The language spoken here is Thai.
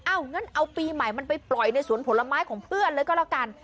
งั้นเอาปีใหม่มันไปปล่อยในสวนผลไม้ของเพื่อนเลยก็แล้วกัน